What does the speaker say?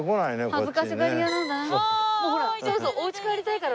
恥ずかしがり屋なのかな？